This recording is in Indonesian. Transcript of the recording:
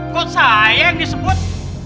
kok saya yang disebut